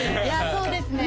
そうですね